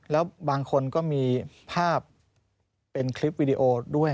แล้วบางคนก็มีภาพเป็นคลิปวิดีโอด้วย